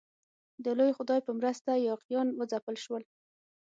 د لوی خدای په مرسته یاغیان وځپل شول.